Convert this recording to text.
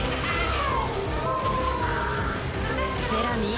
ジェラミー？